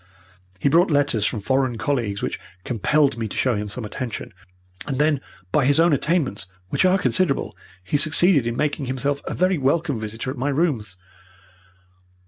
He brought letters from foreign colleagues which compelled me to show him some attention. And then, by his own attainments, which are considerable, he succeeded in making himself a very welcome visitor at my rooms.